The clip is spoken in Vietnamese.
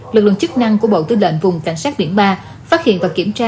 lực lượng chức năng của bộ tư lệnh vùng cảnh sát biển ba phát hiện và kiểm tra